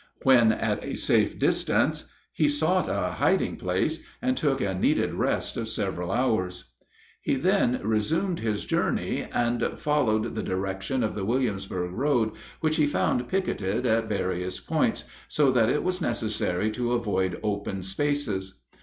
When at a safe distance he sought a hiding place and took a needed rest of several hours. He then resumed his journey, and followed the direction of the Williamsburg road, which he found picketed at various points, so that it was necessary to avoid open spaces.